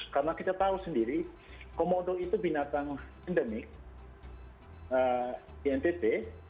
karena kita tahu sendiri komodo itu binatang endemik di ntp